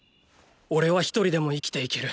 おれは一人でも生きていける。